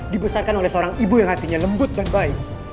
dibesarkan oleh seorang ibu yang hatinya lembut dan baik